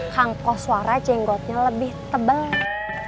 kang koswara jenggotnya lebih tebal